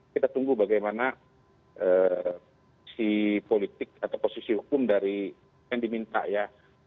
kita tunggu bagaimana si politik atau posisi hukum dari yang diminta ya